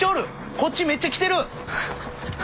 こっちめっちゃ来てる。